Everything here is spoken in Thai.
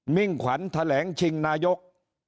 มิ่งขวัญแถลงชิงนายก